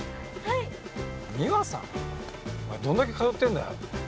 お前どんだけ通ってんだよ。